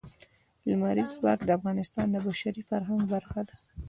لمریز ځواک د افغانستان د بشري فرهنګ برخه ده.